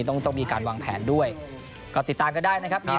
ต้องต้องมีการวางแผนด้วยก็ติดตามกันได้นะครับ